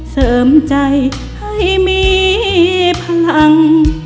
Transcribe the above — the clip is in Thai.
เสริมใจให้มีพลัง